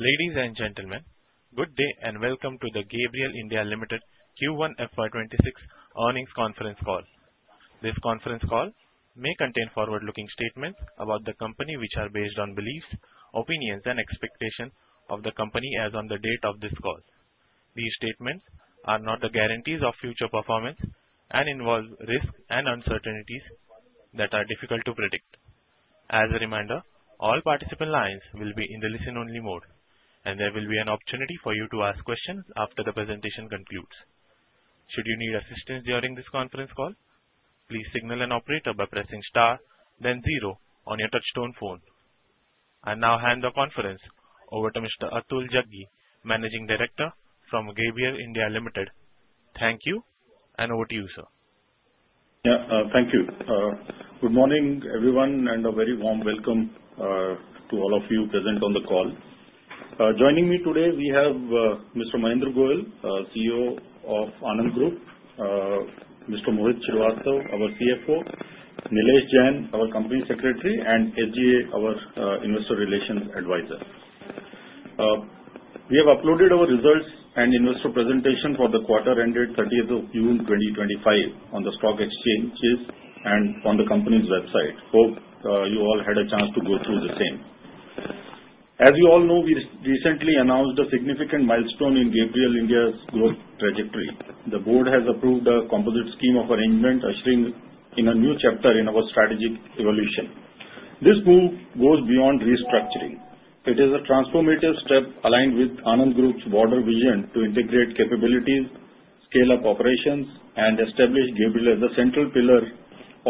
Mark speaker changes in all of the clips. Speaker 1: Ladies and gentlemen, good day and welcome to the Gabriel India Ltd Q1 FY 2026 earnings conference call. This conference call may contain forward-looking statements about the company which are based on beliefs, opinions, and expectations of the company as on the date of this call. These statements are not the guarantees of future performance and involve risks and uncertainties that are difficult to predict. As a reminder, all participant lines will be in the listen-only mode, and there will be an opportunity for you to ask questions after the presentation concludes. Should you need assistance during this conference call, please signal an operator by pressing star, then zero on your touch-tone phone. I now hand the conference over to Mr. Atul Jaggi, Managing Director from Gabriel India Ltd. Thank you, and over to you, sir.
Speaker 2: Yeah, thank you. Good morning, everyone, and a very warm welcome to all of you present on the call. Joining me today, we have Mr. Mahendra Goyal, CEO of ANAND Group, Mr. Mohit Srivastava, our CFO, Nilesh Jain, our Company Secretary, and SGA, our Investor Relations Advisor. We have uploaded our results and investor presentation for the quarter ended 30th of June 2025 on the stock exchanges and on the company's website. Hope you all had a chance to go through the same. As you all know, we recently announced a significant milestone in Gabriel India's growth trajectory. The board has approved a composite scheme of arrangement ushering in a new chapter in our strategic evolution. This move goes beyond restructuring. It is a transformative step aligned with ANAND Group's broader vision to integrate capabilities, scale up operations, and establish Gabriel as a central pillar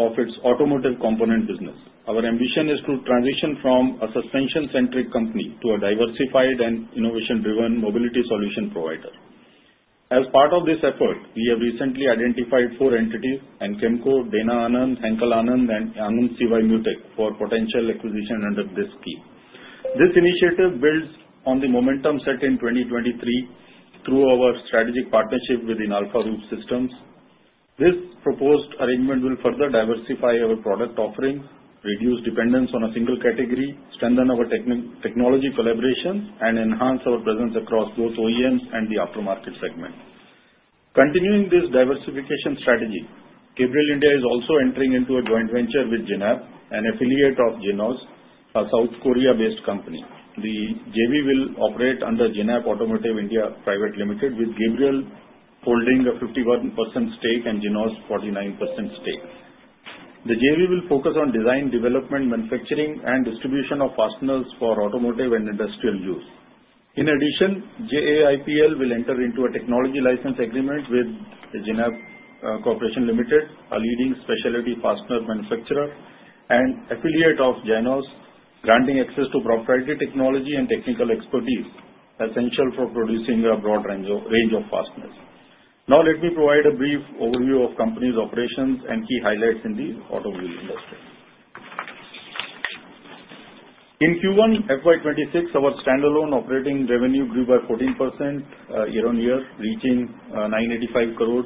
Speaker 2: of its automotive component business. Our ambition is to transition from a suspension-centric company to a diversified and innovation-driven mobility solution provider. As part of this effort, we have recently identified four entities: Anchemco, Dana ANAND, Henkel ANAND, and ANAND CY Myutec for potential acquisition under this scheme. This initiative builds on the momentum set in 2023 through our strategic partnership within Inalfa Roof Systems. This proposed arrangement will further diversify our product offerings, reduce dependence on a single category, strengthen our technology collaborations, and enhance our presence across both OEMs and the aftermarket segment. Continuing this diversification strategy, Gabriel India is also entering into a joint venture with Jinhap, an affiliate of Jinos, a South Korea-based company. The JV will operate under Jinhap Automotive India Private Limited, with Gabriel holding a 51% stake and Jinos 49% stake. The JV will focus on design, development, manufacturing, and distribution of fasteners for automotive and industrial use. In addition, JAIPL will enter into a technology license agreement with Jinos Corporation Limited, a leading specialty fastener manufacturer and affiliate of Jinos, granting access to proprietary technology and technical expertise essential for producing a broad range of fasteners. Now, let me provide a brief overview of the company's operations and key highlights in the automobile industry. In Q1 FY 2026, our standalone operating revenue grew by 14% year-on-year, reaching 985 crores,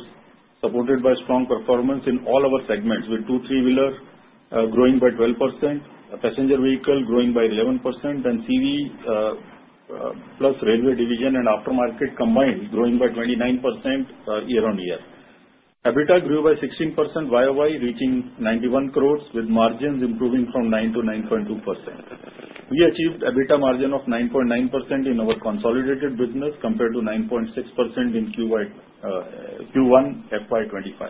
Speaker 2: supported by strong performance in all our segments, with two- and three-wheelers growing by 12%, passenger vehicle growing by 11%, and CV plus railway division and aftermarket combined growing by 29% year-on-year. EBITDA grew by 16% YoY, reaching 91 crores, with margins improving from 9% to 9.2%. We achieved EBITDA margin of 9.9% in our consolidated business compared to 9.6% in Q1 FY25.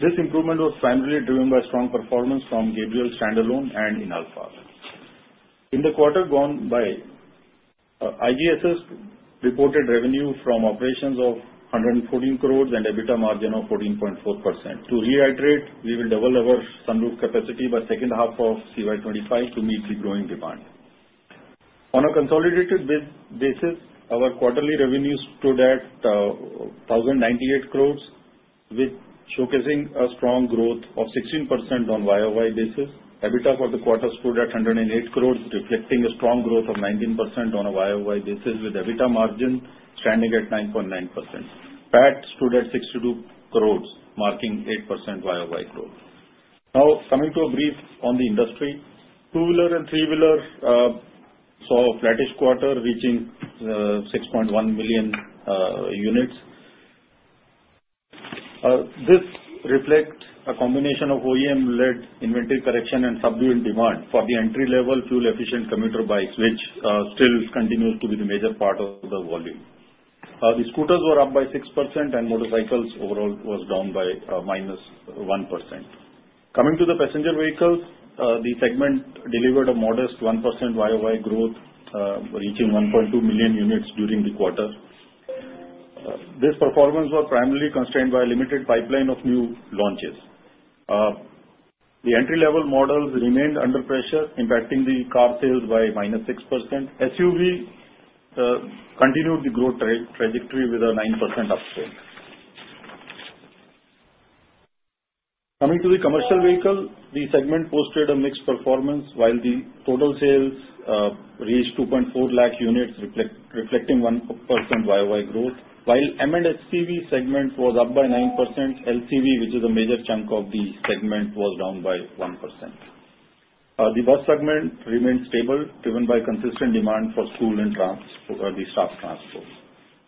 Speaker 2: This improvement was primarily driven by strong performance from Gabriel's standalone and in Inalfa. In the quarter gone by, IGSS reported revenue from operations of 114 crores and EBITDA margin of 14.4%. To reiterate, we will double our sunroof capacity by the second half of CY25 to meet the growing demand. On a consolidated basis, our quarterly revenues stood at 1,098 crores, showcasing a strong growth of 16% on YoY basis. EBITDA for the quarter stood at 108 crores, reflecting a strong growth of 19% on a YoY basis, with EBITDA margin standing at 9.9%. PAT stood at 62 crores, marking 8% YoY growth. Now, coming to a brief on the industry, two-wheeler and three-wheeler saw a flattish quarter, reaching 6.1 million units. This reflects a combination of OEM-led inventory correction and subdued demand for the entry-level fuel-efficient commuter bikes, which still continues to be the major part of the volume. The scooters were up by 6%, and motorcycles overall were down by -1%. Coming to the passenger vehicles, the segment delivered a modest 1% YoY growth, reaching 1.2 million units during the quarter. This performance was primarily constrained by a limited pipeline of new launches. The entry-level models remained under pressure, impacting the car sales by -6%. SUV continued the growth trajectory with a 9% uptrend. Coming to the commercial vehicle, the segment posted a mixed performance, while the total sales reached 2.4 lakh units, reflecting 1% YoY growth. While M&HCV segment was up by 9%, LCV, which is a major chunk of the segment, was down by 1%. The bus segment remained stable, driven by consistent demand for school and staff transport.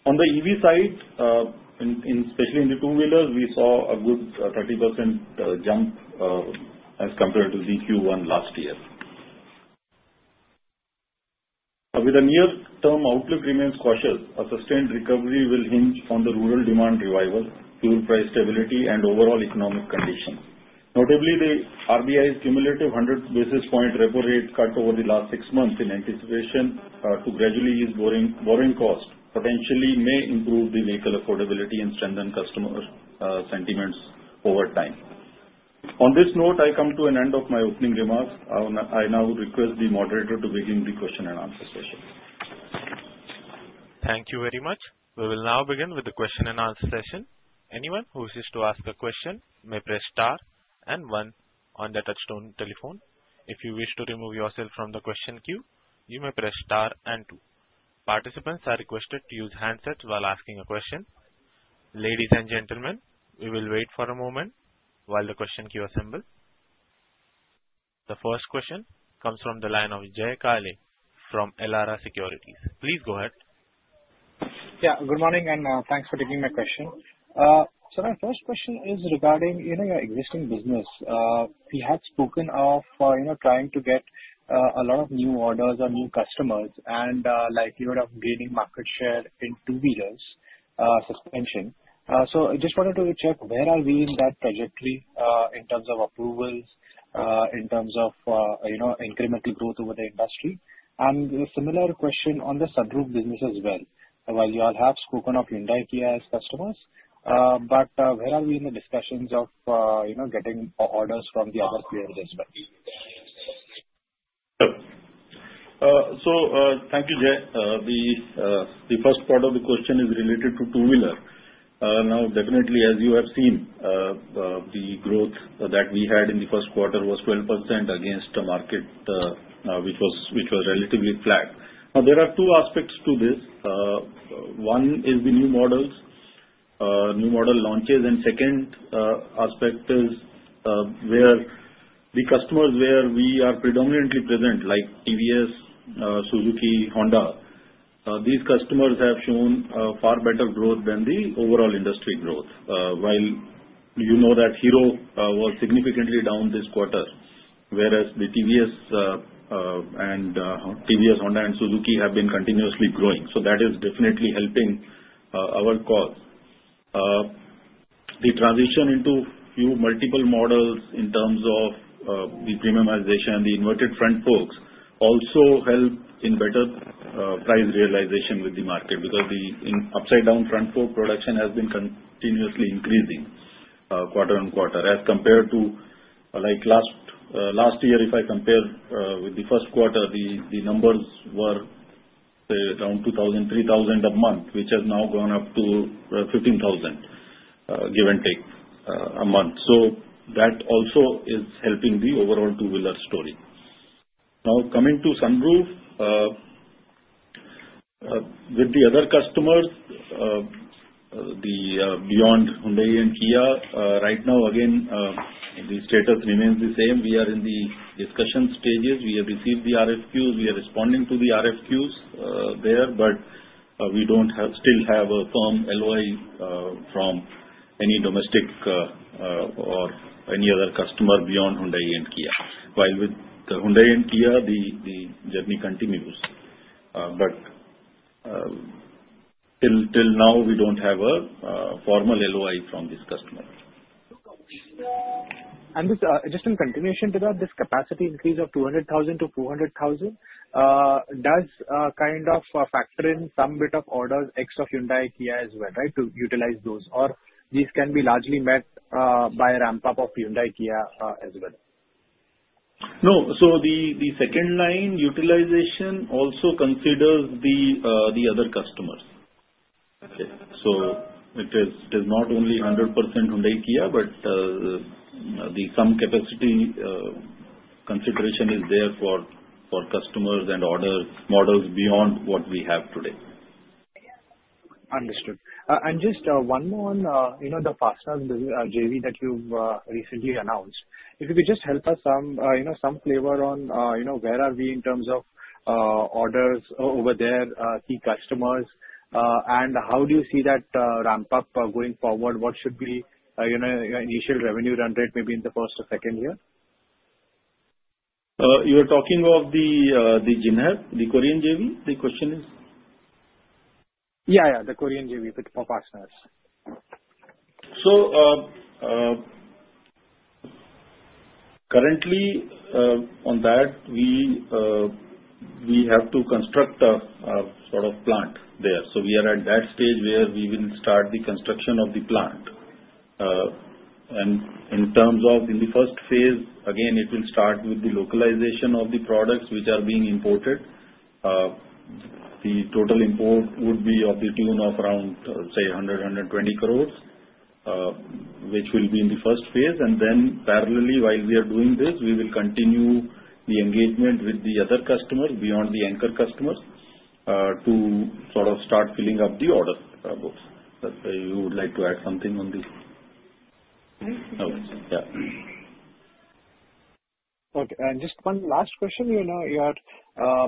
Speaker 2: On the EV side, especially in the two-wheelers, we saw a good 30% jump as compared to the Q1 last year. With the near-term outlook remains cautious, a sustained recovery will hinge on the rural demand revival, fuel price stability, and overall economic conditions. Notably, the RBI's cumulative 100 basis point repo rate cut over the last six months in anticipation to gradually ease borrowing costs potentially may improve the vehicle affordability and strengthen customer sentiments over time. On this note, I come to an end of my opening remarks. I now request the moderator to begin the question and answer session.
Speaker 1: Thank you very much. We will now begin with the question and answer session. Anyone who wishes to ask a question may press star and one on the touch-tone telephone. If you wish to remove yourself from the question queue, you may press star and two. Participants are requested to use handsets while asking a question. Ladies and gentlemen, we will wait for a moment while the question queue assembles. The first question comes from the line of Jay Kale from Elara Securities. Please go ahead.
Speaker 3: Yeah, good morning and thanks for taking my question. So my first question is regarding your existing business. We had spoken of trying to get a lot of new orders or new customers and likelihood of gaining market share in two-wheeler suspension. So I just wanted to check where are we in that trajectory in terms of approvals, in terms of incremental growth over the industry? And a similar question on the sunroof business as well. While you all have spoken of Hyundai Kia as customers, but where are we in the discussions of getting orders from the other players as well?
Speaker 2: Thank you, Jay. The first part of the question is related to two-wheeler. Now, definitely, as you have seen, the growth that we had in the first quarter was 12% against the market, which was relatively flat. Now, there are two aspects to this. One is the new models, new model launches, and second aspect is where the customers where we are predominantly present, like TVS, Suzuki, Honda. These customers have shown far better growth than the overall industry growth. While you know that Hero was significantly down this quarter, whereas the TVS and Honda and Suzuki have been continuously growing. That is definitely helping our cause. The transition into a few multiple models in terms of the premiumization, the inverted front forks also help in better price realization with the market because the upside-down front fork production has been continuously increasing quarter on quarter as compared to last year. If I compare with the first quarter, the numbers were around 2,000, 3,000 a month, which has now gone up to 15,000, give and take a month. So that also is helping the overall two-wheeler story. Now, coming to sunroof, with the other customers, beyond Hyundai and Kia, right now, again, the status remains the same. We are in the discussion stages. We have received the RFQs. We are responding to the RFQs there, but we don't still have a firm LOI from any domestic or any other customer beyond Hyundai and Kia. While with Hyundai and Kia, the journey continues, but till now, we don't have a formal LOI from this customers.
Speaker 3: Just in continuation to that, this capacity increase of 200,000-400,000 does kind of factor in some bit of orders extra Hyundai Kia as well, right, to utilize those? Or these can be largely met by a ramp-up of Hyundai, Kia as well?
Speaker 2: No. So the second-line utilization also considers the other customers. Okay. So it is not only 100% Hyundai, Kia, but the some capacity consideration is there for customers and order models beyond what we have today.
Speaker 3: Understood. And just one more, the fasteners, JV that you've recently announced, if you could just help us some flavor on where are we in terms of orders over there, key customers, and how do you see that ramp-up going forward? What should be your initial revenue run rate, maybe in the first or second year?
Speaker 2: You are talking of the Korean JV? The question is?
Speaker 3: Yeah, yeah, the Korean JV for fasteners.
Speaker 2: Currently, on that, we have to construct a sort of plant there. We are at that stage where we will start the construction of the plant. In terms of in the first phase, again, it will start with the localization of the products which are being imported. The total import would be to the tune of around, say, 100-120 crores, which will be in the first phase. Then parallelly, while we are doing this, we will continue the engagement with the other customers beyond the anchor customers to sort of start filling up the order books. Let's say you would like to add something on this.
Speaker 3: Okay. And just one last question. Your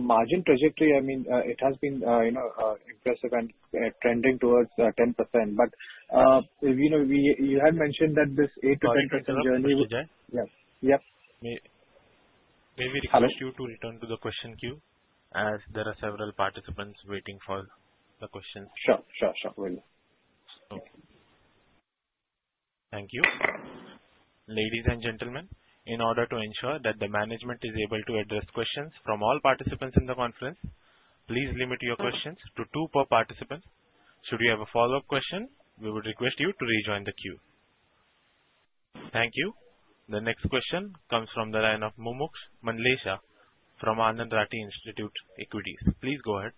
Speaker 3: margin trajectory, I mean, it has been impressive and trending towards 10%. But you had mentioned that this 8%-10% journey.
Speaker 1: May we request you to return to the question queue as there are several participants waiting for the questions?
Speaker 3: Sure. Sure. Sure. Will do.
Speaker 1: Okay. Thank you. Ladies and gentlemen, in order to ensure that the management is able to address questions from all participants in the conference, please limit your questions to two per participant. Should you have a follow-up question, we would request you to rejoin the queue. Thank you. The next question comes from the line of Mumuksh Mandlesha from ANAND Rathi Institutional Equities. Please go ahead.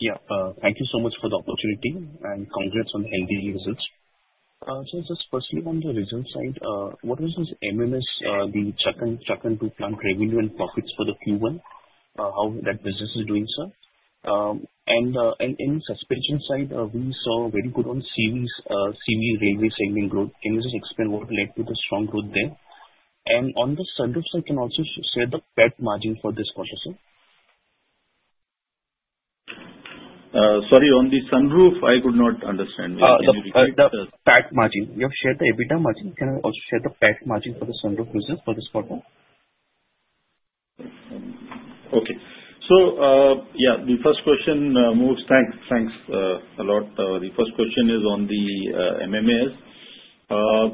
Speaker 4: Yeah. Thank you so much for the opportunity and congrats on the healthy results. So just personally, on the results side, what was this MMS, the Chakan 2 plant revenue and profits for the Q1? How that business is doing, sir? And in the suspension side, we saw very good on CV railway segment growth. Can you just explain what led to the strong growth there? And on the sunroof side, can you also share the PAT margin for this quarter, sir?
Speaker 2: Sorry, on the sunroof, I could not understand.
Speaker 4: Oh, sorry. The PAT margin. You have shared the EBITDA margin. Can you also share the PAT margin for the sunroof business for this quarter?
Speaker 2: Okay. So yeah, the first question, Mumuksh, thanks. Thanks a lot. The first question is on the MMS.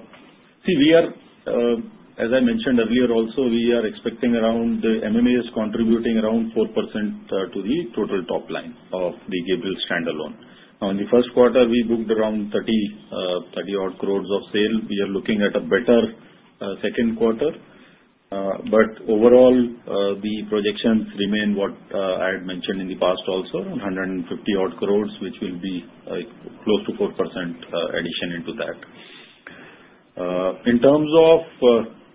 Speaker 2: See, as I mentioned earlier, also, we are expecting around the MMS contributing around 4% to the total top line of the Gabriel standalone. Now, in the first quarter, we booked around 30-odd crores of sale. We are looking at a better second quarter. But overall, the projections remain what I had mentioned in the past also, 150-odd crores, which will be close to 4% addition into that.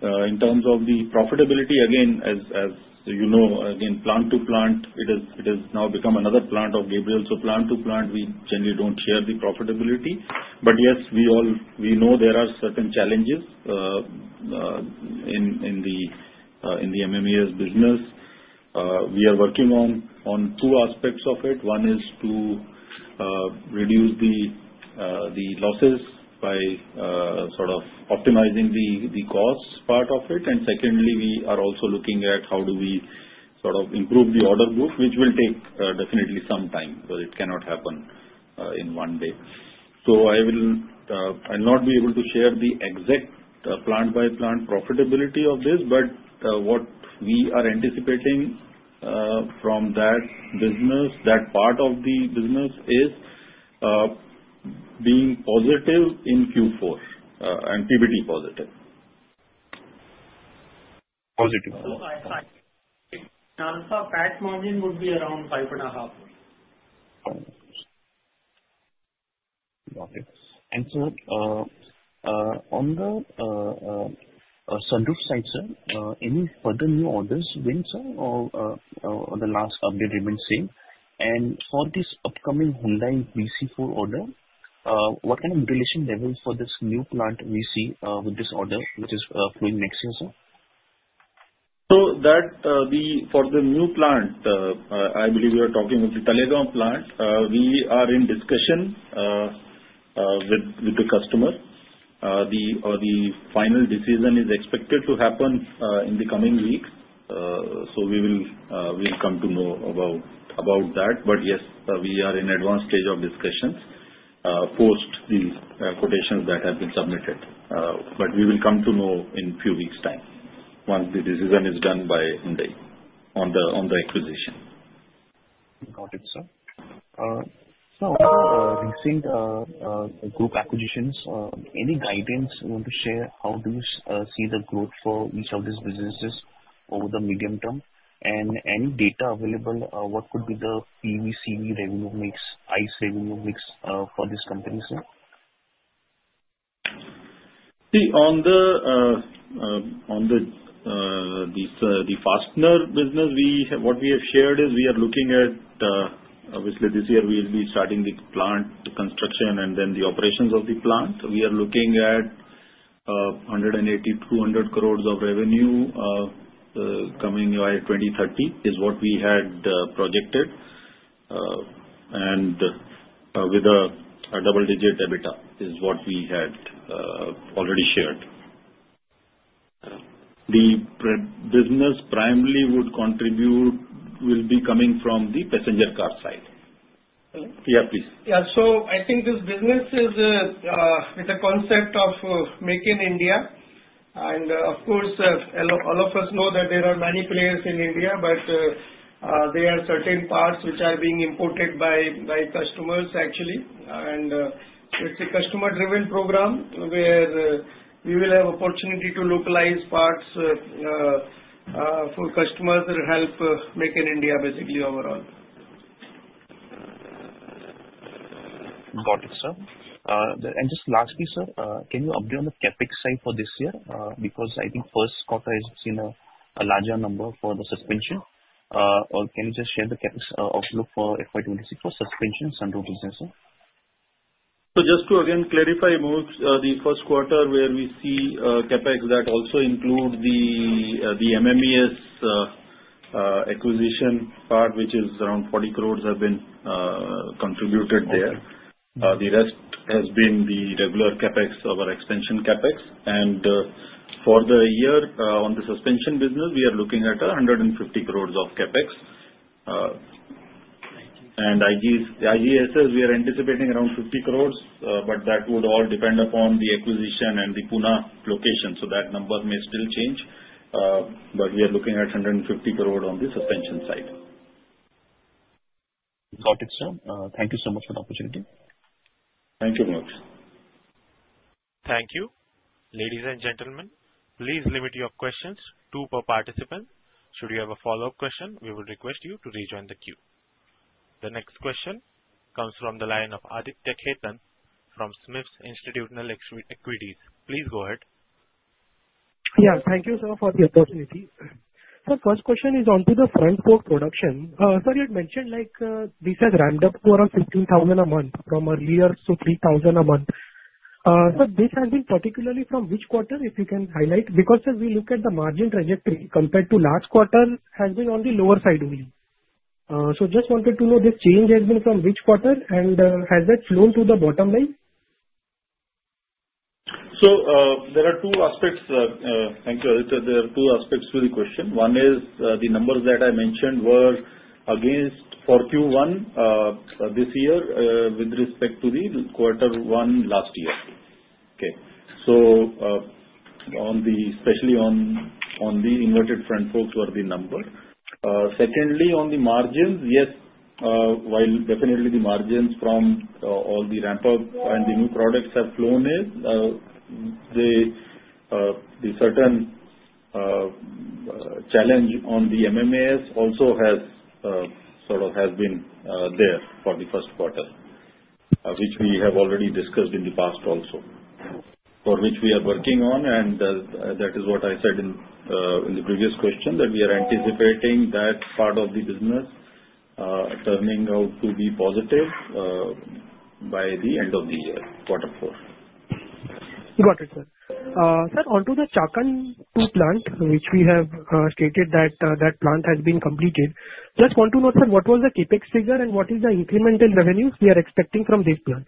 Speaker 2: In terms of the profitability, again, as you know, again, plant to plant, it has now become another plant of Gabriel. So plant to plant, we generally don't share the profitability. But yes, we know there are certain challenges in the MMS business. We are working on two aspects of it. One is to reduce the losses by sort of optimizing the cost part of it. And secondly, we are also looking at how do we sort of improve the order book, which will take definitely some time because it cannot happen in one day, so I will not be able to share the exact plant-by-plant profitability of this, but what we are anticipating from that business, that part of the business is being positive in Q4 and PBT positive.
Speaker 5: PAT margin would be around 5.5%.
Speaker 4: Got it. And so on the sunroof side, sir, any further new orders won, sir, or the last update remains the same? And for this upcoming Hyundai VC4 order, what kind of utilization level for this new plant we see with this order, which is going next year, sir?
Speaker 2: So for the new plant, I believe you are talking of the Talegaon plant. We are in discussion with the customer. The final decision is expected to happen in the coming weeks. So we will come to know about that. But yes, we are in advanced stage of discussions post the quotations that have been submitted. But we will come to know in a few weeks' time once the decision is done by Hyundai on the acquisition.
Speaker 4: Got it, sir. Now, regarding group acquisitions, any guidance you want to share? How do you see the growth for each of these businesses over the medium term? And any data available, what could be the PV, CV revenue mix, ICE revenue mix for these companies, sir?
Speaker 2: See, on the fastener business, what we have shared is we are looking at, obviously, this year we will be starting the plant construction and then the operations of the plant. We are looking at 180-200 crores of revenue coming by 2030 is what we had projected. And with a double-digit EBITDA is what we had already shared. The business primarily would contribute will be coming from the passenger car side. Yeah, please.
Speaker 5: Yeah. So I think this business is with the concept of Make in India, and of course, all of us know that there are many players in India, but there are certain parts which are being imported by customers, actually, and it's a customer-driven program where we will have opportunity to localize parts for customers that help Make in India, basically, overall.
Speaker 4: Got it, sir. And just lastly, sir, can you update on the CapEx side for this year? Because I think first quarter has seen a larger number for the suspension. Or can you just share the CapEx outlook for FY 2026 for suspension sunroof business, sir?
Speaker 2: So, just to again clarify, Mumuksh, the first quarter where we see CapEx, that also includes the MMS acquisition part, which is around 40 crores have been contributed there. The rest has been the regular CapEx or extension CapEx. And for the year on the suspension business, we are looking at 150 crores of CapEx. And IGSS, we are anticipating around 50 crores, but that would all depend upon the acquisition and the Pune location. So that number may still change. But we are looking at 150 crores on the suspension side.
Speaker 4: Got it, sir. Thank you so much for the opportunity.
Speaker 2: Thank you, Mumuksh.
Speaker 1: Thank you. Ladies and gentlemen, please limit your questions to one per participant. Should you have a follow-up question, we will request you to rejoin the queue. The next question comes from the line of Aditya Khetan from SMIFS Institutional Equities. Please go ahead.
Speaker 6: Yeah. Thank you, sir, for the opportunity. So first question is onto the front fork production. Sir, you had mentioned these have ramped up to around 15,000 a month from earlier, so 3,000 a month. Sir, this has been particularly from which quarter, if you can highlight? Because if we look at the margin trajectory compared to last quarter, it has been on the lower side only. So just wanted to know this change has been from which quarter, and has that flown to the bottom line?
Speaker 2: So there are two aspects. Thank you, Aditya. There are two aspects to the question. One is the numbers that I mentioned were against for Q1 this year with respect to the quarter one last year. Okay. So especially on the inverted front forks were the number. Secondly, on the margins, yes, while definitely the margins from all the ramp-up and the new products have flown in, the certain challenge on the MMS also has sort of been there for the first quarter, which we have already discussed in the past also, for which we are working on. And that is what I said in the previous question, that we are anticipating that part of the business turning out to be positive by the end of the year, quarter four.
Speaker 6: Got it, sir. Sir, onto the Chakan 2 plant, which we have stated that the plant has been completed, just want to know, sir, what was the CapEx figure and what is the incremental revenue we are expecting from this plant?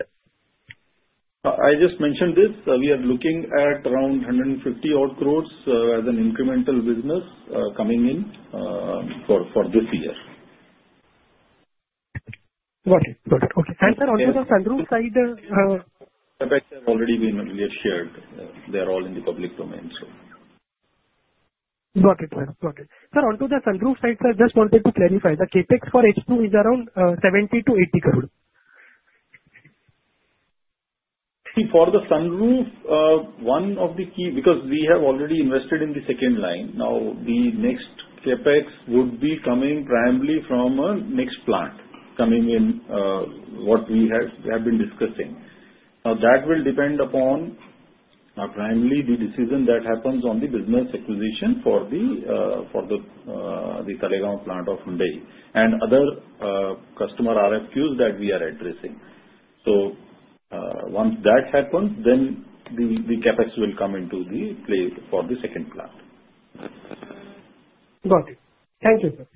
Speaker 2: I just mentioned this. We are looking at around 150-odd crores as an incremental business coming in for this year.
Speaker 6: Got it. Got it. Okay, and sir, onto the sunroof side.
Speaker 2: CapEx have already been earlier shared. They are all in the public domain, so.
Speaker 6: Got it. Got it. Sir, onto the sunroof side, sir, just wanted to clarify. The CapEx for H2 is around 70-80 crores.
Speaker 2: See, for the sunroof, one of the key because we have already invested in the second line. Now, the next CapEx would be coming primarily from a next plant coming in what we have been discussing. Now, that will depend upon primarily the decision that happens on the business acquisition for the Talegaon plant of Hyundai and other customer RFQs that we are addressing. So once that happens, then the CapEx will come into the play for the second plant.
Speaker 6: Got it. Thank you, sir.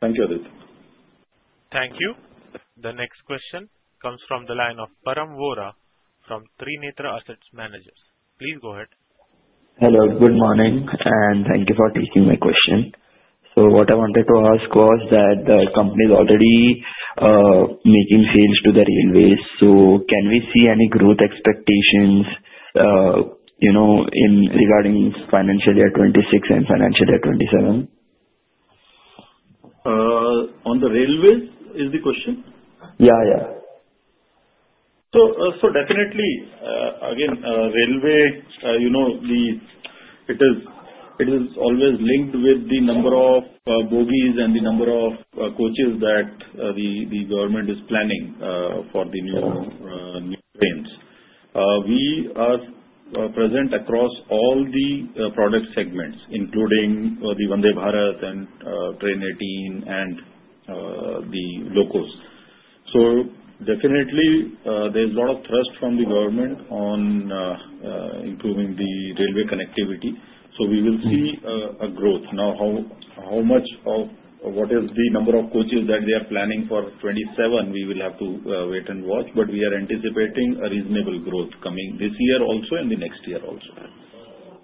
Speaker 2: Thank you, Aditya.
Speaker 1: Thank you. The next question comes from the line of Param Vora from Trinetra Asset Managers. Please go ahead.
Speaker 7: Hello. Good morning. And thank you for taking my question. So what I wanted to ask was that the company is already making sales to the railways. So can we see any growth expectations regarding financial year 2026 and financial year 2027?
Speaker 2: On the railways, is the question?
Speaker 7: Yeah, yeah.
Speaker 2: So definitely, again, railway, it is always linked with the number of bogies and the number of coaches that the government is planning for the new trains. We are present across all the product segments, including the Vande Bharat and Train 18 and the Locos. So definitely, there's a lot of thrust from the government on improving the railway connectivity. So we will see a growth. Now, how much, what is the number of coaches that they are planning for 2027, we will have to wait and watch. But we are anticipating a reasonable growth coming this year also and the next year also.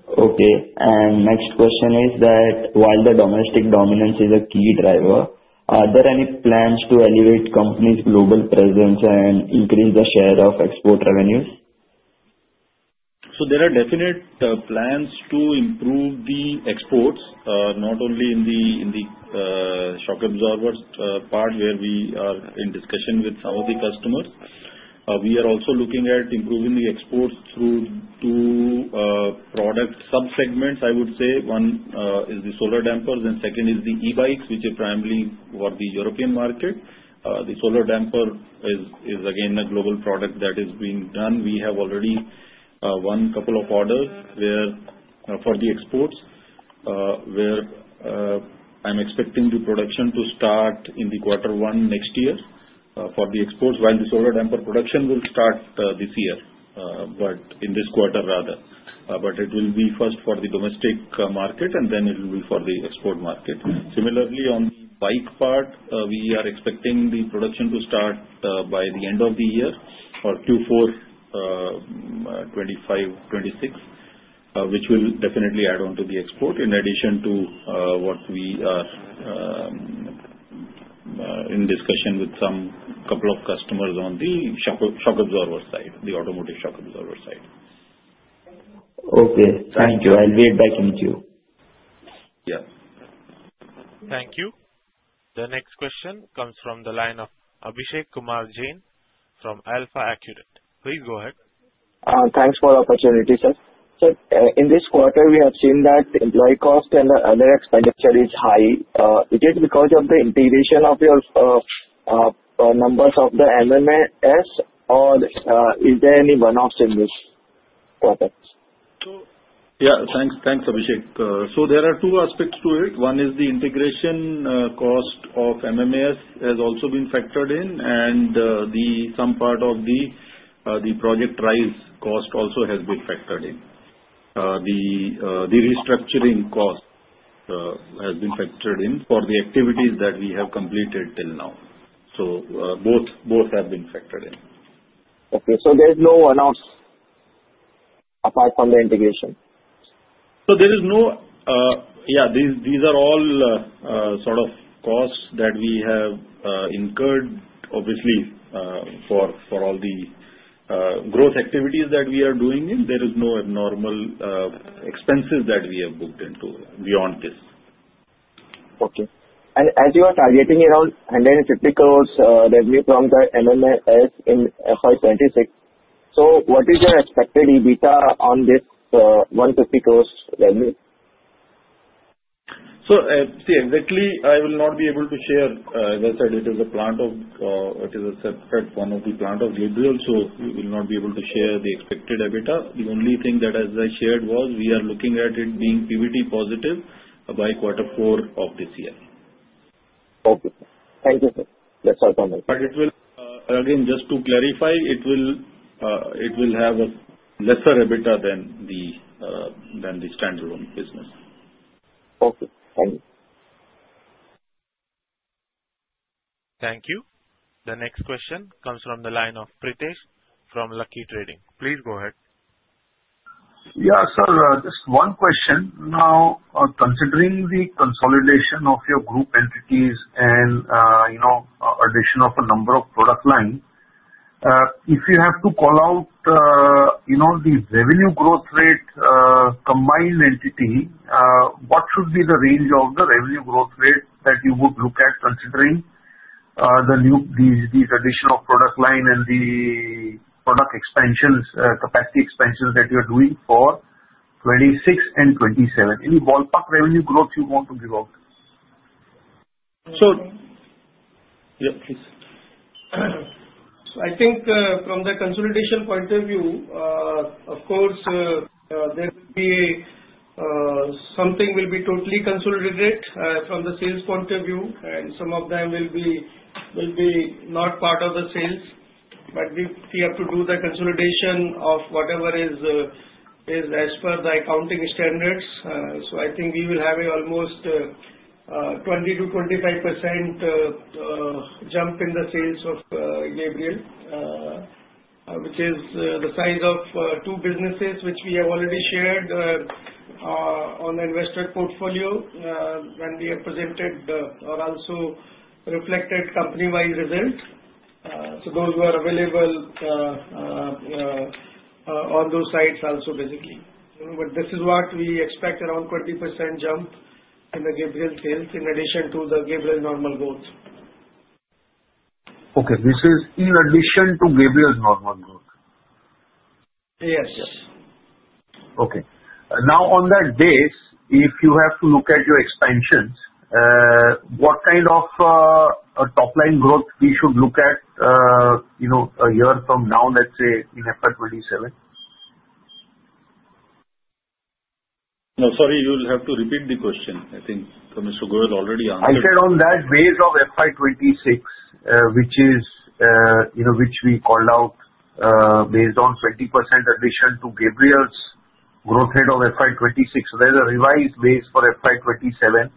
Speaker 7: Okay. And next question is that while the domestic dominance is a key driver, are there any plans to elevate company's global presence and increase the share of export revenues?
Speaker 2: So there are definite plans to improve the exports, not only in the shock absorber part where we are in discussion with some of the customers. We are also looking at improving the exports through two product subsegments, I would say. One is the solar dampers, and second is the e-bikes, which are primarily for the European market. The solar damper is, again, a global product that is being done. We have already won a couple of orders for the exports, where I'm expecting the production to start in the quarter one next year for the exports, while the solar damper production will start this year, but in this quarter rather. But it will be first for the domestic market, and then it will be for the export market. Similarly, on the bike part, we are expecting the production to start by the end of the year or Q4 2025, 2026, which will definitely add on to the export in addition to what we are in discussion with some couple of customers on the shock absorber side, the automotive shock absorber side.
Speaker 7: Okay. Thank you. I'll go back in the queue.
Speaker 2: Yeah.
Speaker 1: Thank you. The next question comes from the line of Abhishek Kumar Jain from AlfAccurate. Please go ahead.
Speaker 8: Thanks for the opportunity, sir. Sir, in this quarter, we have seen that employee cost and other expenditure is high. Is it because of the integration of your numbers of the MMS, or is there any one-offs in this quarter?
Speaker 2: Yeah, thanks, Abhishek. There are two aspects to it. One is the integration cost of MMS has also been factored in, and some part of the project rise cost also has been factored in. The restructuring cost has been factored in for the activities that we have completed till now. Both have been factored in.
Speaker 8: Okay. So there's no one-offs apart from the integration?
Speaker 2: Yeah, these are all sort of costs that we have incurred, obviously, for all the growth activities that we are doing. There is no abnormal expenses that we have booked into beyond this.
Speaker 8: Okay. And as you are targeting around 150 crores revenue from the MMS in FY 2026, so what is your expected EBITDA on this 150 crores revenue?
Speaker 2: See, exactly, I will not be able to share. As I said, it is a plant. It is a separate one, one of the plants of Gabriel, so we will not be able to share the expected EBITDA. The only thing that, as I shared, was we are looking at it being PBT positive by quarter four of this year.
Speaker 8: Okay. Thank you, sir. That's all from me.
Speaker 2: But again, just to clarify, it will have a lesser EBITDA than the standalone business.
Speaker 8: Okay. Thank you.
Speaker 1: Thank you. The next question comes from the line of Pritesh from Lucky Trading. Please go ahead.
Speaker 9: Yeah, sir, just one question. Now, considering the consolidation of your group entities and addition of a number of product lines, if you have to call out the revenue growth rate combined entity, what should be the range of the revenue growth rate that you would look at considering these addition of product line and the product expansions, capacity expansions that you are doing for 2026 and 2027? Any ballpark revenue growth you want to give out?
Speaker 5: I think from the consolidation point of view, of course, there will be something will be totally consolidated from the sales point of view, and some of them will be not part of the sales. But if we have to do the consolidation of whatever is as per the accounting standards, so I think we will have almost 20%-25% jump in the sales of Gabriel, which is the size of two businesses which we have already shared on the investor portfolio when we have presented or also reflected company-wide result. Those were available on those sites also, basically. But this is what we expect, around 20% jump in the Gabriel sales in addition to the Gabriel's normal growth.
Speaker 9: Okay. This is in addition to Gabriel's normal growth?
Speaker 5: Yes.
Speaker 9: Okay. Now, on that basis, if you have to look at your expansions, what kind of top-line growth we should look at a year from now, let's say, in FY 2027?
Speaker 2: No, sorry, you will have to repeat the question. I think Mr. Goyal already answered.
Speaker 9: I said on that basis of FY 2026, which we called out based on 20% addition to Gabriel's growth rate of FY 2026, there's a revised base for FY 2027,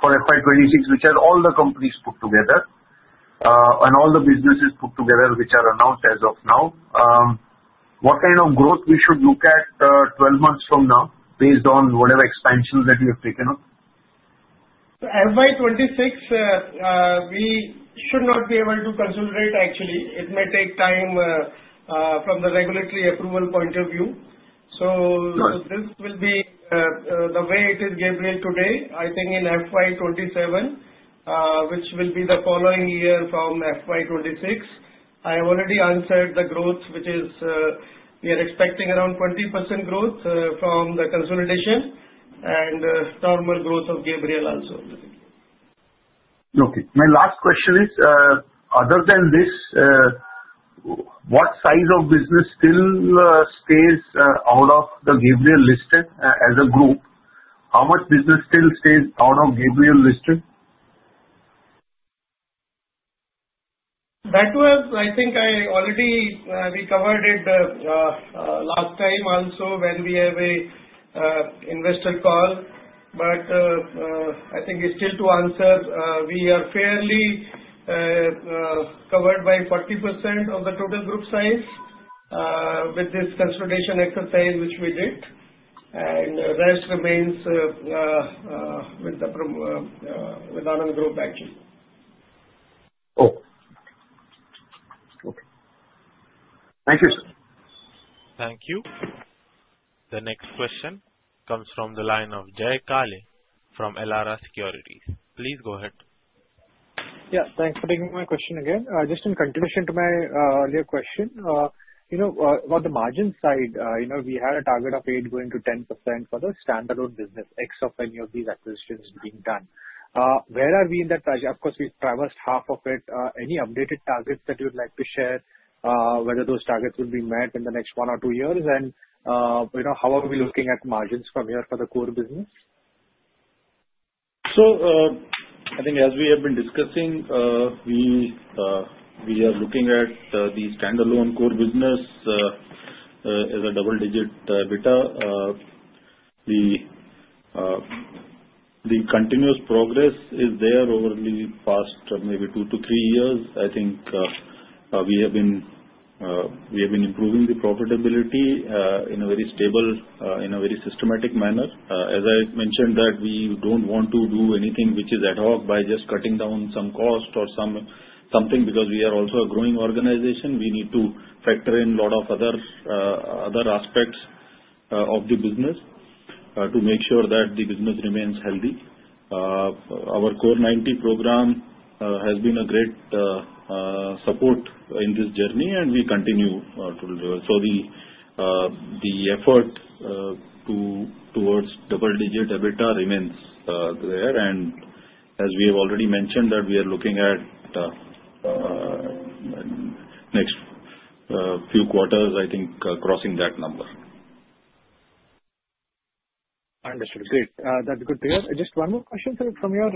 Speaker 9: for FY 2026, which has all the companies put together and all the businesses put together which are announced as of now. What kind of growth we should look at 12 months from now based on whatever expansions that we have taken up?
Speaker 5: So FY 2026, we should not be able to consolidate, actually. It may take time from the regulatory approval point of view. So this will be the way it is, Gabriel, today. I think in FY 2027, which will be the following year from FY 2026, I have already answered the growth, which is we are expecting around 20% growth from the consolidation and normal growth of Gabriel also.
Speaker 9: Okay. My last question is, other than this, what size of business still stays out of the Gabriel listed as a group? How much business still stays out of Gabriel listed?
Speaker 5: That one, I think I already we covered it last time also when we have an investor call, but I think it's still to answer. We are fairly covered by 40% of the total group size with this consolidation exercise which we did, and the rest remains with the ANAND Group, actually.
Speaker 9: Okay. Okay. Thank you, sir.
Speaker 1: Thank you. The next question comes from the line of Jay Kale from Elara Securities. Please go ahead.
Speaker 3: Yeah. Thanks for taking my question again. Just in continuation to my earlier question, about the margin side, we had a target of 8%-10% for the standalone business, ex of any of these acquisitions being done. Where are we in that? Of course, we've traversed half of it. Any updated targets that you'd like to share, whether those targets will be met in the next one or two years, and how are we looking at margins from here for the core business?
Speaker 2: So I think, as we have been discussing, we are looking at the standalone core business as a double-digit EBITDA. The continuous progress is there over the past maybe two to three years. I think we have been improving the profitability in a very stable, in a very systematic manner. As I mentioned, that we don't want to do anything which is ad hoc by just cutting down some cost or something because we are also a growing organization. We need to factor in a lot of other aspects of the business to make sure that the business remains healthy. Our Core 90 program has been a great support in this journey, and we continue to deliver. So the effort towards double-digit EBITDA remains there. And as we have already mentioned, that we are looking at next few quarters, I think, crossing that number.
Speaker 3: Understood. Great. That's good to hear. Just one more question, sir, from your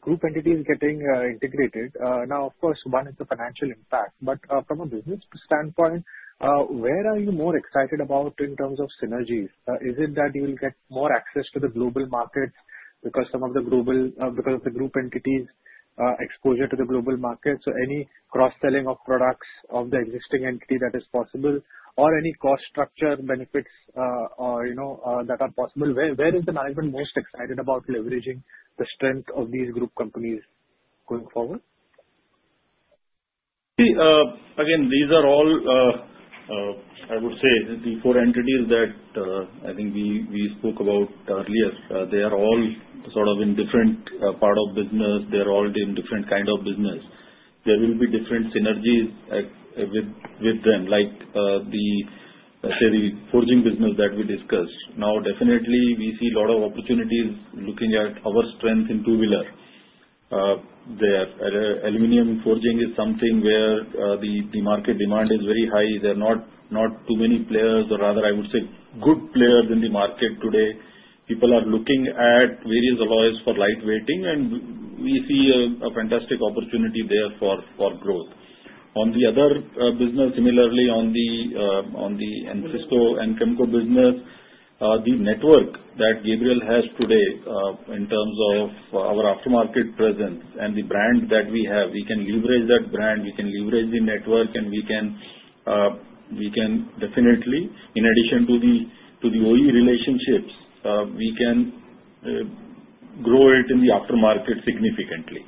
Speaker 3: group entities getting integrated. Now, of course, one is the financial impact. But from a business standpoint, where are you more excited about in terms of synergies? Is it that you will get more access to the global markets because of the group entities' exposure to the global markets? So any cross-selling of products of the existing entity that is possible, or any cost structure benefits that are possible? Where is the management most excited about leveraging the strength of these group companies going forward?
Speaker 2: See, again, these are all, I would say, the four entities that I think we spoke about earlier. They are all sort of in different parts of business. They are all in different kinds of business. There will be different synergies with them, like the, say, the forging business that we discussed. Now, definitely, we see a lot of opportunities looking at our strength in tubular. Their aluminum forging is something where the market demand is very high. There are not too many players, or rather, I would say, good players in the market today. People are looking at various alloys for light weighting, and we see a fantastic opportunity there for growth. On the other business, similarly, on the [Cisco] and Anchemco business, the network that Gabriel has today in terms of our aftermarket presence and the brand that we have, we can leverage that brand. We can leverage the network, and we can definitely, in addition to the OE relationships, we can grow it in the aftermarket significantly.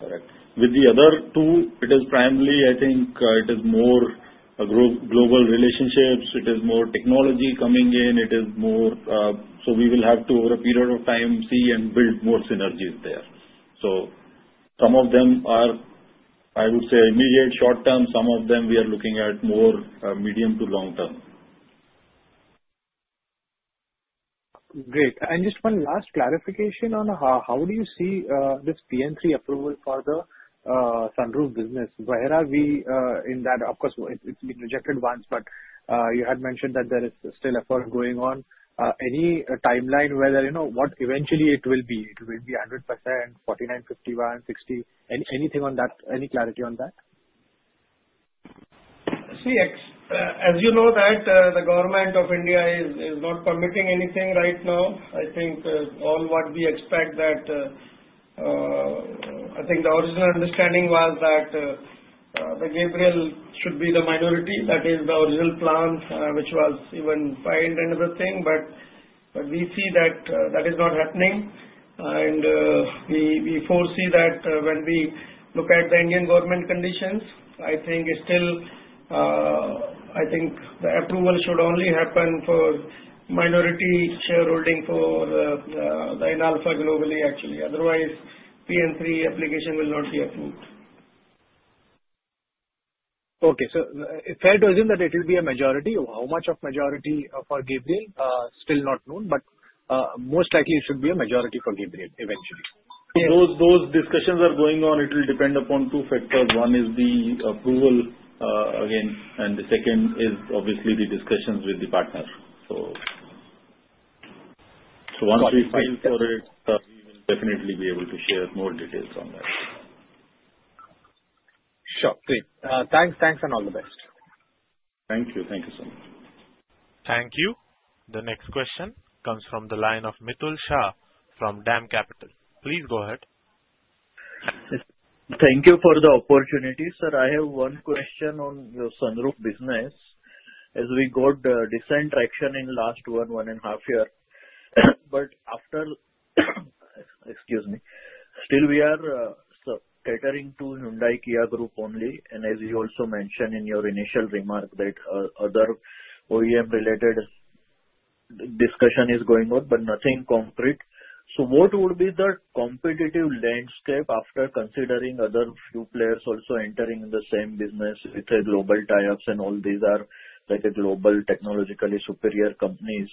Speaker 2: Correct. With the other two, it is primarily, I think, it is more global relationships. It is more technology coming in. It is more so we will have to, over a period of time, see and build more synergies there. So some of them are, I would say, immediate short-term. Some of them, we are looking at more medium to long-term.
Speaker 3: Great. And just one last clarification on how do you see this PN3 approval for the sunroof business? Where are we in that? Of course, it's been rejected once, but you had mentioned that there is still effort going on. Any timeline whether what eventually it will be? It will be 100%, 49%, 51%, 60%, anything on that? Any clarity on that?
Speaker 5: See, as you know, that the government of India is not permitting anything right now. I think all what we expect that the original understanding was that the Gabriel should be the minority. That is the original plan, which was even finalized and everything, but we see that that is not happening, and we foresee that when we look at the Indian government conditions. I think it's still the approval should only happen for minority shareholding for the Inalfa globally, actually. Otherwise, PN3 application will not be approved.
Speaker 3: Okay. So fair to assume that it will be a majority. How much of majority for Gabriel? Still not known, but most likely it should be a majority for Gabriel eventually.
Speaker 2: So those discussions are going on. It will depend upon two factors. One is the approval, again, and the second is obviously the discussions with the partners. So once we file for it, we will definitely be able to share more details on that.
Speaker 3: Sure. Great. Thanks. Thanks, and all the best.
Speaker 2: Thank you. Thank you so much.
Speaker 1: Thank you. The next question comes from the line of Mitul Shah from DAM Capital. Please go ahead.
Speaker 10: Thank you for the opportunity, sir. I have one question on your sunroof business. As we got decent traction in the last one and a half years, but, excuse me. Still, we are catering to Hyundai Kia Group only. And as you also mentioned in your initial remark, that other OEM-related discussion is going on, but nothing concrete. So what would be the competitive landscape after considering other few players also entering in the same business with the global tie-ups and all these are global technologically superior companies?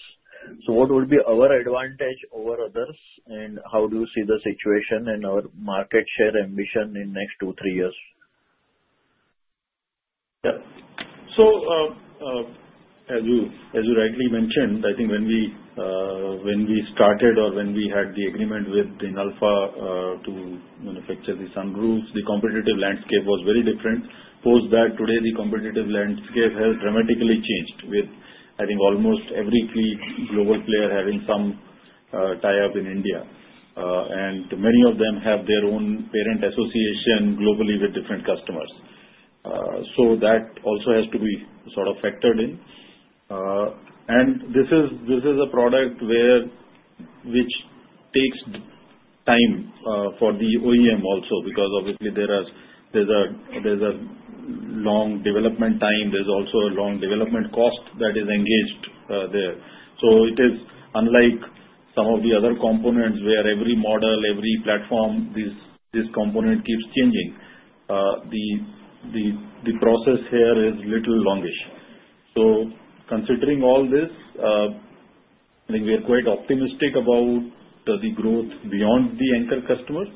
Speaker 10: So what would be our advantage over others? And how do you see the situation and our market share ambition in the next two, three years?
Speaker 2: Yeah. So as you rightly mentioned, I think when we started or when we had the agreement with Inalfa to manufacture the sunroofs, the competitive landscape was very different. Post that, today, the competitive landscape has dramatically changed with, I think, almost every global player having some tie-up in India. And many of them have their own parent association globally with different customers. So that also has to be sort of factored in. And this is a product which takes time for the OEM also because, obviously, there's a long development time. There's also a long development cost that is engaged there. So it is unlike some of the other components where every model, every platform, this component keeps changing. The process here is a little longish. So considering all this, I think we are quite optimistic about the growth beyond the anchor customers.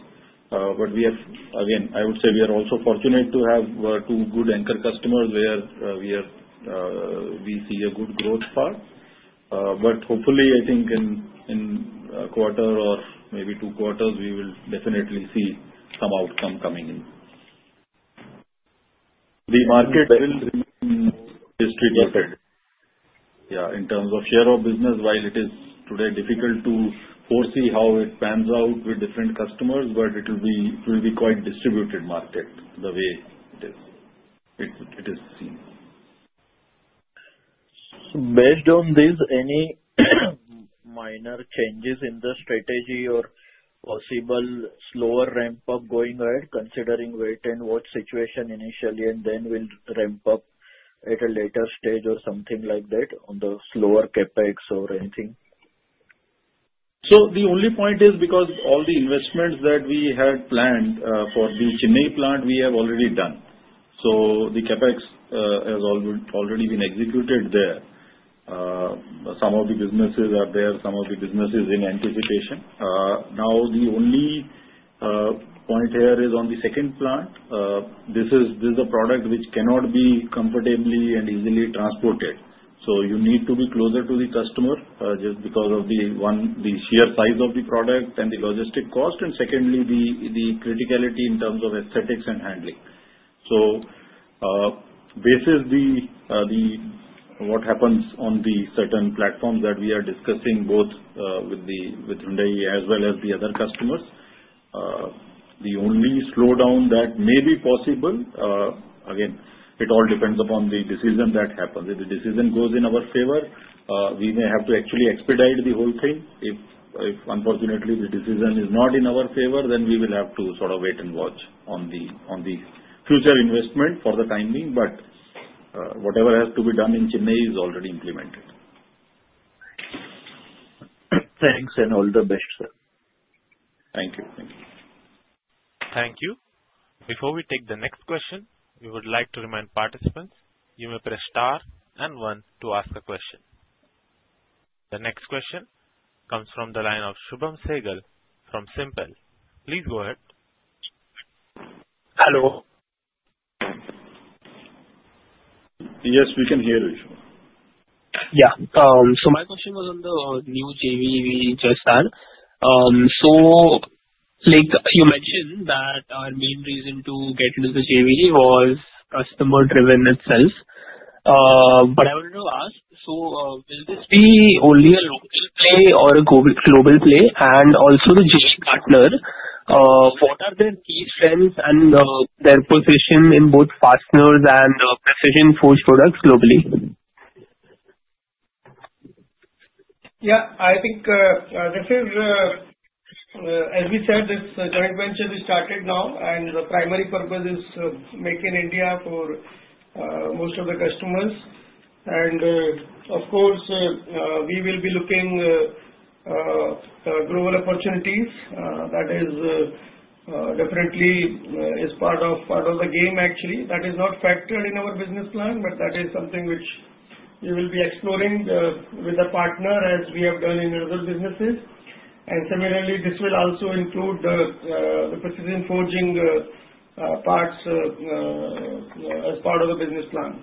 Speaker 2: But we have, again, I would say we are also fortunate to have two good anchor customers where we see a good growth part. But hopefully, I think in a quarter or maybe two quarters, we will definitely see some outcome coming in. The market will remain more distributed. Yeah. In terms of share of business, while it is today difficult to foresee how it pans out with different customers, but it will be quite distributed market the way it is seen.
Speaker 10: So, based on this, any minor changes in the strategy or possible slower ramp-up going ahead, considering wait and watch situation initially, and then we'll ramp up at a later stage or something like that on the slower CapEx or anything?
Speaker 2: So the only point is because all the investments that we had planned for the Chennai plant, we have already done. So the CapEx has already been executed there. Some of the businesses are there. Some of the businesses are in anticipation. Now, the only point here is on the second plant. This is a product which cannot be comfortably and easily transported. So you need to be closer to the customer just because of the sheer size of the product and the logistics cost, and secondly, the criticality in terms of aesthetics and handling. So this is what happens on the certain platforms that we are discussing both with Hyundai as well as the other customers. The only slowdown that may be possible, again, it all depends upon the decision that happens. If the decision goes in our favor, we may have to actually expedite the whole thing. If, unfortunately, the decision is not in our favor, then we will have to sort of wait and watch on the future investment for the time being. But whatever has to be done in Chennai is already implemented.
Speaker 10: Thanks, and all the best, sir.
Speaker 2: Thank you. Thank you.
Speaker 1: Thank you. Before we take the next question, we would like to remind participants you may press star and one to ask a question. The next question comes from the line of Shubham Sehgal from SiMPL. Please go ahead.
Speaker 11: Hello.
Speaker 2: Yes, we can hear you.
Speaker 11: Yeah. So my question was on the new JV just that. So you mentioned that our main reason to get into the JV was customer-driven itself. But I wanted to ask, so will this be only a local play or a global play? And also, the JV partner, what are their key strengths and their position in both fasteners and precision forged products globally?
Speaker 5: Yeah. I think this is, as we said, this joint venture we started now, and the primary purpose is to make it easier for most of the customers. And, of course, we will be looking at global opportunities. That is definitely part of the game, actually. That is not factored in our business plan, but that is something which we will be exploring with the partner, as we have done in other businesses. And similarly, this will also include the precision forging parts as part of the business plan.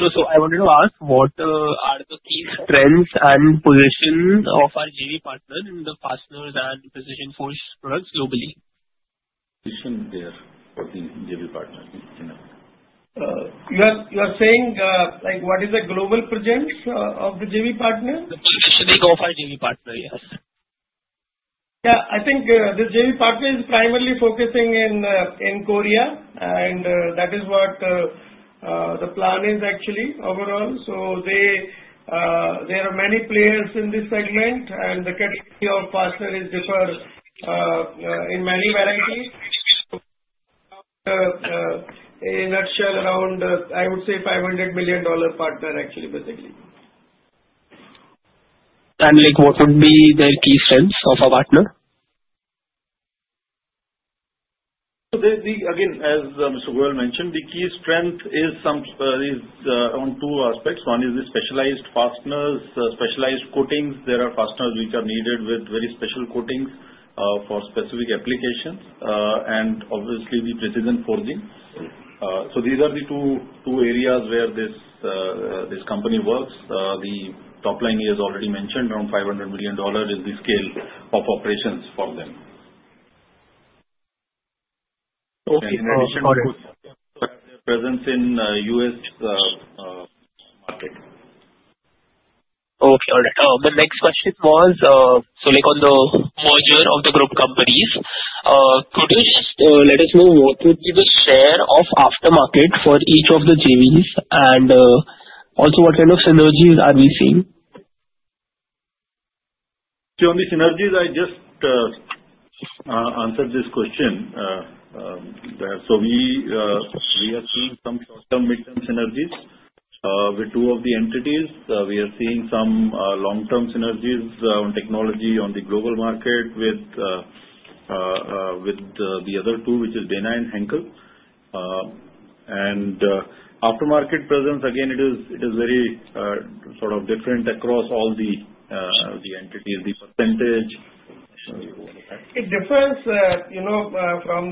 Speaker 11: I wanted to ask, what are the key strengths and positions of our JV partner in the fasteners and precision forged products globally?
Speaker 2: Position there for the JV partner in Chennai?
Speaker 11: You are saying, what is the global presence of the JV partner?
Speaker 2: The positioning of our JV partner, yes.
Speaker 5: Yeah. I think the JV partner is primarily focusing in Korea, and that is what the plan is, actually, overall. So there are many players in this segment, and the category of fasteners differs in many varieties. In a nutshell, around, I would say, $500 million partner, actually, basically.
Speaker 11: What would be the key strengths of our partner?
Speaker 2: Again, as Mr. Goyal mentioned, the key strength is on two aspects. One is the specialized fasteners, specialized coatings. There are fasteners which are needed with very special coatings for specific applications, and obviously, the precision forging. So these are the two areas where this company works. The top line you have already mentioned, around $500 million, is the scale of operations for them.
Speaker 11: Okay.
Speaker 2: In addition, we have a presence in the U.S. market.
Speaker 11: Okay. All right. The next question was, so on the merger of the group companies, could you just let us know what would be the share of aftermarket for each of the JVs? And also, what kind of synergies are we seeing?
Speaker 2: See, on the synergies, I just answered this question. So we are seeing some short-term, mid-term synergies with two of the entities. We are seeing some long-term synergies on technology on the global market with the other two, which is Dana and Henkel. And aftermarket presence, again, it is very sort of different across all the entities. The percentage.
Speaker 5: It differs from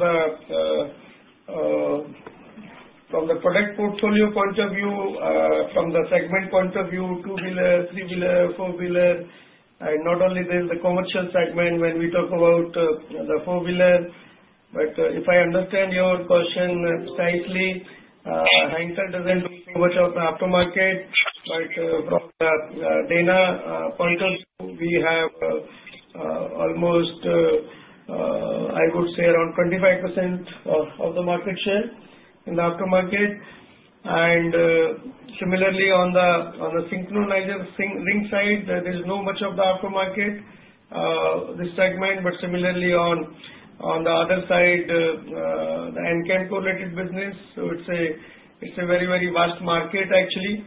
Speaker 5: the product portfolio point of view, from the segment point of view, two-wheeler, three-wheeler, four-wheeler. Not only there is the commercial segment when we talk about the four-wheeler, but if I understand your question precisely, Henkel doesn't do much of the aftermarket. But from the Dana point of view, we have almost, I would say, around 25% of the market share in the aftermarket. And similarly, on the synchronizer ring side, there is not much of the aftermarket, this segment. But similarly, on the other side, the Anchemco-related business, it's a very, very vast market, actually,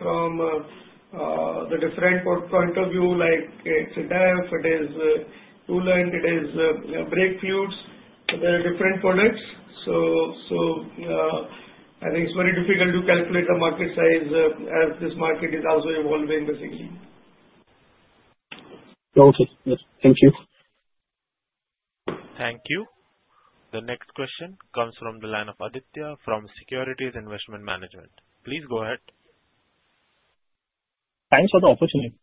Speaker 5: from the different point of view, like it's a DEF, it is coolant, it is brake fluids, so there are different products. So I think it's very difficult to calculate the market size as this market is also evolving, basically.
Speaker 11: Okay. Thank you.
Speaker 1: Thank you. The next question comes from the line of Aditya from Securities Investment Management. Please go ahead.
Speaker 12: Thanks for the opportunity.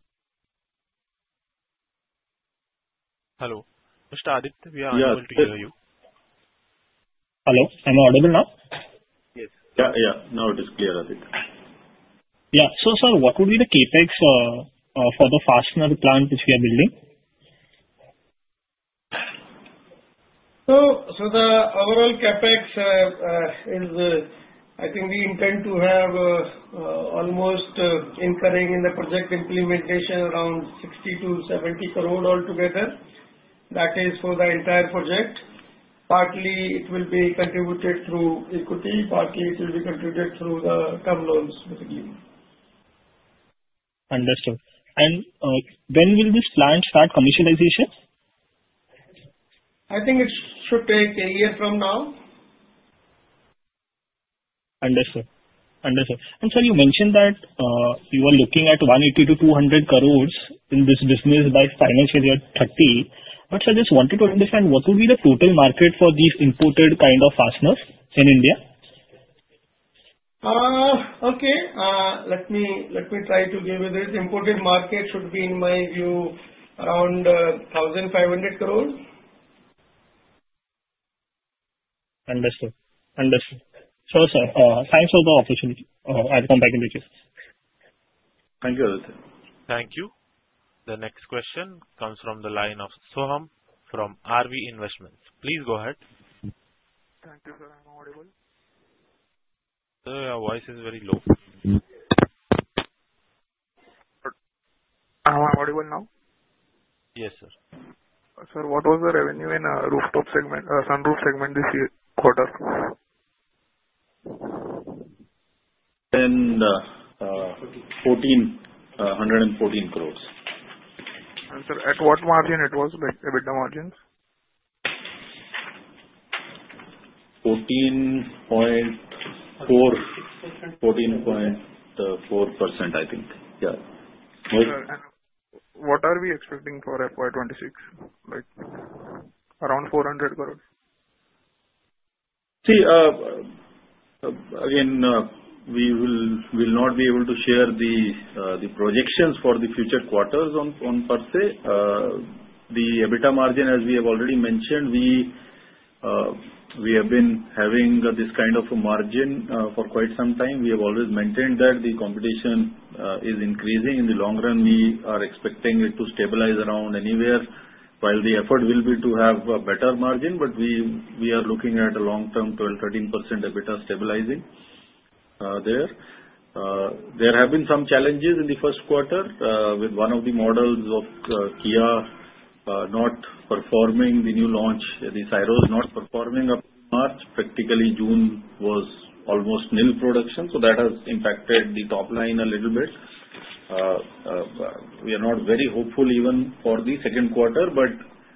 Speaker 2: Hello. Mr. Aditya, we are unable to hear you.
Speaker 12: Hello. Am I audible now?
Speaker 2: Yes. Yeah. Now it is clear, Aditya.
Speaker 12: Yeah. So, sir, what would be the CapEx for the fastener plant which we are building?
Speaker 5: So the overall CapEx is, I think, we intend to have almost incurring in the project implementation around 60-70 crore altogether. That is for the entire project. Partly, it will be contributed through equity. Partly, it will be contributed through the term loans, basically.
Speaker 12: Understood. When will this plan start commercialization?
Speaker 5: I think it should take a year from now.
Speaker 12: Understood. Sir, you mentioned that you are looking at 180-200 crores in this business by financial year 2030. Sir, I just wanted to understand, what would be the total market for these imported kind of fasteners in India?
Speaker 5: Okay. Let me try to give you this. Import market should be, in my view, around 1,500 crore.
Speaker 12: Understood. Understood. So, sir, thanks for the opportunity. I'll come back in a few.
Speaker 2: Thank you, Aditya.
Speaker 1: Thank you. The next question comes from the line of Soham from RV Investments. Please go ahead.
Speaker 13: Thank you, sir. I'm audible?
Speaker 2: Sir, your voice is very low.
Speaker 13: Am I audible now?
Speaker 2: Yes, sir.
Speaker 13: Sir, what was the revenue in sunroof segment this quarter?
Speaker 2: 114 crores.
Speaker 13: Sir, at what margin it was? Like EBITDA margins?
Speaker 2: 14.4%. 14.4%, I think. Yeah.
Speaker 13: What are we expecting for FY 2026? Like around INR 400 crore?
Speaker 2: See, again, we will not be able to share the projections for the future quarters per se. The EBITDA margin, as we have already mentioned, we have been having this kind of a margin for quite some time. We have always maintained that the competition is increasing. In the long run, we are expecting it to stabilize around anywhere, while the effort will be to have a better margin. But we are looking at a long-term 12%-13% EBITDA stabilizing there. There have been some challenges in the first quarter with one of the models of Kia not performing the new launch, the Syros not performing up. March, practically June was almost nil production. So that has impacted the top line a little bit. We are not very hopeful even for the second quarter, but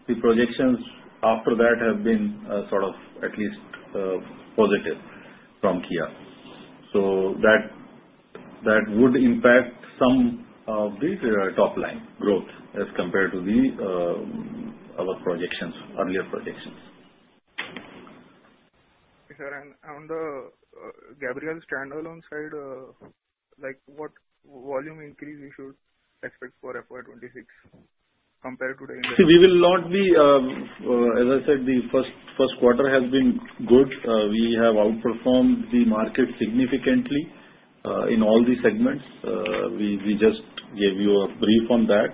Speaker 2: the projections after that have been sort of at least positive from Kia. So that would impact some of the top line growth as compared to our earlier projections.
Speaker 13: Okay, sir. And on the Gabriel Standalone side, what volume increase we should expect for FY 2026 compared to the?
Speaker 2: See, as I said, we will not be. The first quarter has been good. We have outperformed the market significantly in all the segments. We just gave you a brief on that.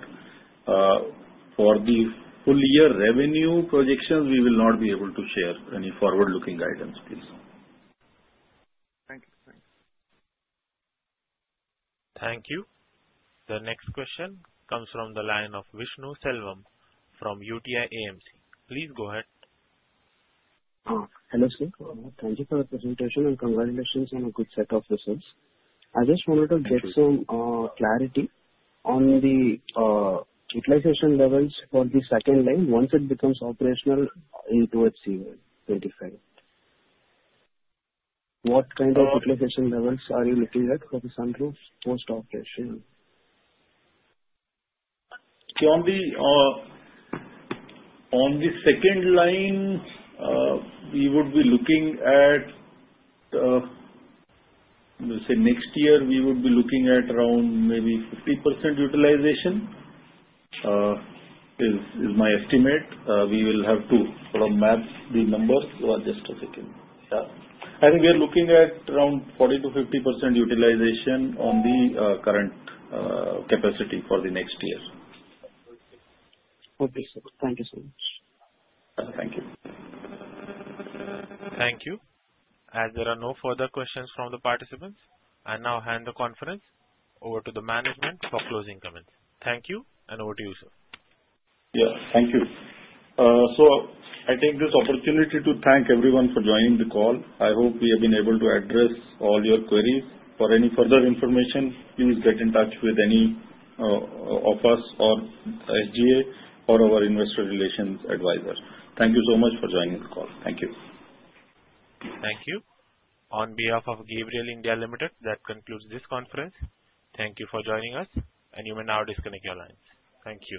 Speaker 2: For the full-year revenue projections, we will not be able to share any forward-looking guidance, please.
Speaker 13: Thank you. Thank you.
Speaker 1: Thank you. The next question comes from the line of Vishnu Selvam from UTI AMC. Please go ahead.
Speaker 14: Hello, sir. Thank you for the presentation and congratulations on a good set of results. I just wanted to get some clarity on the utilization levels for the second line once it becomes operational into FY25. What kind of utilization levels are you looking at for the sunroof post-operation?
Speaker 2: On the second line, we would be looking at next year. We would be looking at around maybe 50% utilization. Is my estimate. We will have to sort of map the numbers. Just a second. Yeah. I think we are looking at around 40%-50% utilization on the current capacity for the next year.
Speaker 14: Okay. Thank you so much.
Speaker 2: Thank you.
Speaker 1: Thank you. As there are no further questions from the participants, I now hand the conference over to the management for closing comments. Thank you, and over to you, sir.
Speaker 2: Yeah. Thank you. So I take this opportunity to thank everyone for joining the call. I hope we have been able to address all your queries. For any further information, please get in touch with any of us or SGA or our investor relations advisor. Thank you so much for joining the call. Thank you.
Speaker 1: Thank you. On behalf of Gabriel India Ltd, that concludes this conference. Thank you for joining us, and you may now disconnect your lines. Thank you.